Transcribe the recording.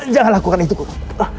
jangan lakukan itu guru